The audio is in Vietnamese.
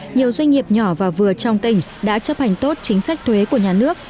nhiều doanh nghiệp nhỏ và vừa trong tỉnh đã chấp hành tốt chính sách thuế của nhà nước